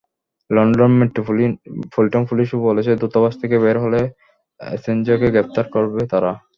London metropolitan পুলিশও বলেছে, দূতাবাস থেকে বের হলে অ্যাসাঞ্জকে গ্রেপ্তার করবে তারা।